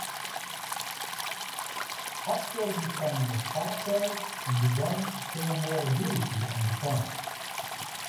After becoming a starter, he began to show more ability on defense.